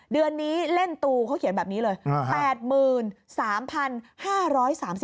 เดือนนี้เล่นตูเขาเขียนแบบนี้เลย